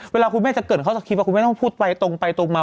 เวลาคุณแม่จะเกิดข้อสคริปคุณแม่ต้องพูดไปตรงไปตรงมา